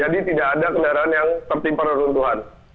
jadi tidak ada kendaraan yang tertimpa runtuhan